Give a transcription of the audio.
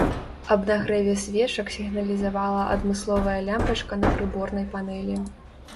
Аб нагрэве свечак сігналізавала адмысловая лямпачка на прыборнай панэлі.